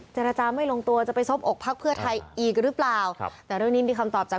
เจรจาไม่ลงตัวจะไปซบอกพักเพื่อไทยอีกหรือเปล่าครับแต่เรื่องนี้มีคำตอบจาก